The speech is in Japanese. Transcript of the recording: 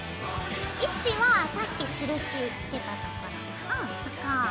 位置はさっき印つけたところうんそこ。